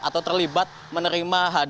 atau terlibat menerima kursi kursi kursi